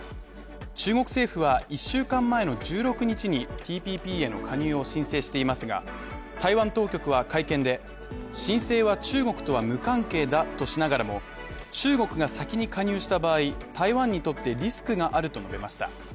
中国政府は１週間前の１６日にＴＰＰへの加入を申請していますが台湾当局は会見で、申請は中国とは無関係だとしながらも、中国が先に加入した場合、台湾にとってリスクがあると述べました。